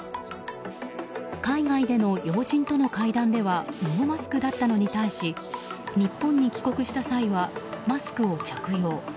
海外での要人との会談ではノーマスクだったのに対し日本に帰国した際はマスクを着用。